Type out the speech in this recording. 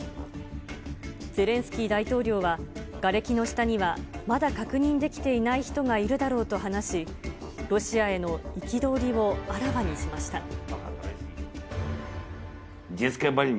ゼレンスキー大統領は、がれきの下にはまだ確認できていない人がいるだろうと話し、ロシアへの憤りをあらわにしました。